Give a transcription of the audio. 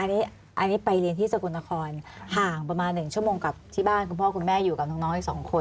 อันนี้ไปเรียนที่สกลนครห่างประมาณ๑ชั่วโมงกลับที่บ้านคุณพ่อคุณแม่อยู่กับน้องอีก๒คน